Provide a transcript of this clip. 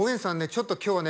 ちょっと今日ね